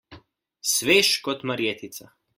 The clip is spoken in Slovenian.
Svež kot marjetica.